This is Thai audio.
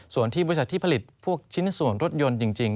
ส่วนที่บริษัทที่ผลิตพวกชิ้นส่วนรถยนต์จริง